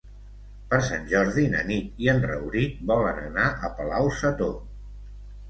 Per Sant Jordi na Nit i en Rauric volen anar a Palau-sator.